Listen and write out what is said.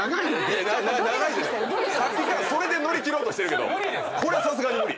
さっきからそれで乗り切ろうとしてるけどこれはさすがに無理。